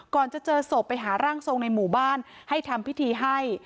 ก่อนจะเจอศพไปหาร่างทรงในหมู่บ้านให้ทำพิธีให้